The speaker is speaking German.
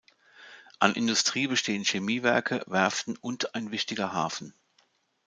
An Industrie bestehen Chemiewerke, Werften und ein wichtiger Hafen.